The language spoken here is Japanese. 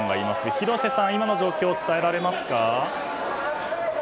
広瀬さん、今の状況を伝えられますか？